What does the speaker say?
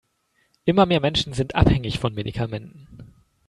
Immer mehr Menschen sind abhängig von Medikamenten.